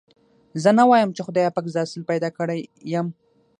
زه نه وايم چې خدای پاک زه اصيل پيدا کړي يم.